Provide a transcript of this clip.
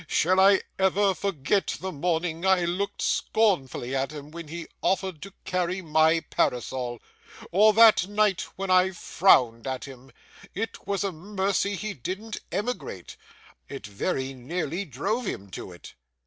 Shall I ever forget the morning I looked scornfully at him when he offered to carry my parasol? Or that night, when I frowned at him? It was a mercy he didn't emigrate. It very nearly drove him to it.